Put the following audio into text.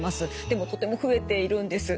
でもとても増えているんです。